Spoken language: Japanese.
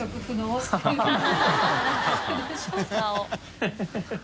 ハハハ